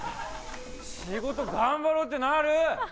仕事頑張ろうってなる！